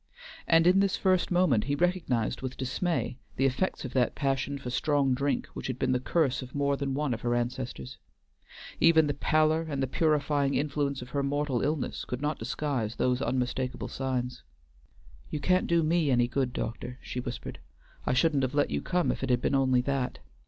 And in this first moment he recognized with dismay the effects of that passion for strong drink which had been the curse of more than one of her ancestors. Even the pallor and the purifying influence of her mortal illness could not disguise these unmistakable signs. "You can't do me any good, doctor," she whispered. "I shouldn't have let you come if it had been only that.